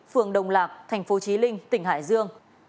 phường đồng lạc thành phố trí linh tỉnh hải dương